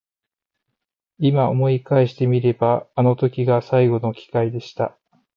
今思い返してみればあの時が最後の機会でした。